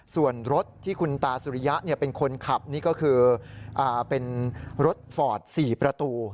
ส่วนรถที่คุณตาสุริยะเป็นคนขับนี่ก็คือเป็นรถฟอร์ด๔ประตู